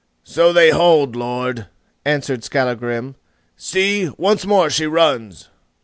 "So they hold, lord," answered Skallagrim; "see, once more she runs!"